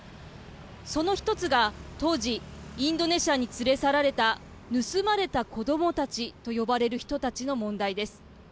その一つが当時インドネシアに連れ去られた盗まれた子どもたちと呼ばれる人たちの問題です。